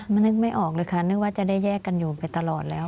มันนึกไม่ออกเลยค่ะนึกว่าจะได้แยกกันอยู่ไปตลอดแล้ว